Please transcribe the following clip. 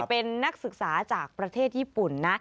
เป็นนักศึกษาจากประเทศญี่ปุ่นนะ